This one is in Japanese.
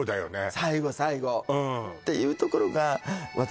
最後最後っていうところが私